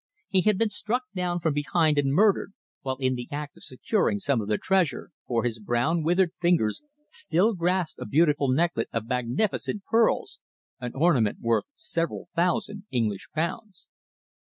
He had been struck down from behind and murdered, while in the act of securing some of the treasure, for his brown withered fingers still grasped a beautiful necklet of magnificent pearls, an ornament worth several thousand English pounds.